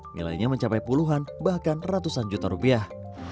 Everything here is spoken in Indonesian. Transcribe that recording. nilainya mencapai puluhan bahkan ratusan juta rupiah